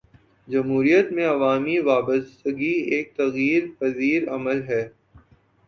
جمہوریت میں عوامی وابستگی ایک تغیر پذیر عمل ہے۔